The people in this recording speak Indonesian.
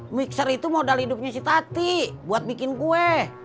mixer itu modal hidupnya si tati buat bikin kue